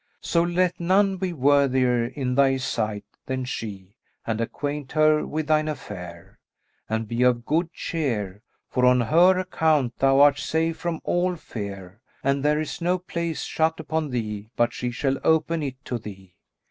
So let none be worthier in thy sight than she and acquaint her with thine affair; and be of good cheer, for on her account thou art safe from all fear, and there is no place shut upon thee but she shall open it to thee.